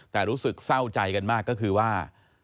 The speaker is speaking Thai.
แต่รู้สึกเศร้าใจกันมากก็คือว่า